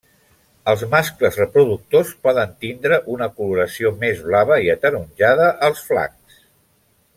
Els mascles reproductors poden tindre una coloració més blava i ataronjada als flancs.